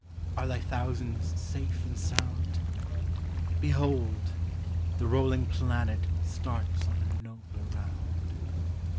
Are thy thousands safe and sound? Behold! the rolling planet Starts on a nobler round.